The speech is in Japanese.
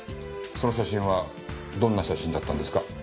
その写真はどんな写真だったんですか？